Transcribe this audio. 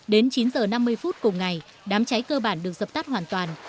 đến chín h năm mươi phút cùng ngày đám cháy cơ bản được dập tắt hoàn toàn